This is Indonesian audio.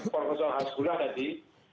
prof hasbullah tadi